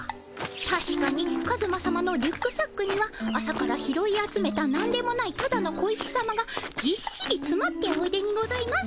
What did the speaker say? たしかにカズマさまのリュックサックには朝から拾い集めたなんでもないただの小石さまがぎっしりつまっておいでにございます。